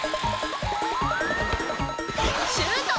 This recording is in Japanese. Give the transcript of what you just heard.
シュート！